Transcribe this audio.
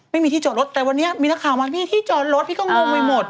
ไม่มีที่จอดรถแต่วันนี้มีนักข่าวมาพี่ที่จอดรถพี่ก็งงไปหมด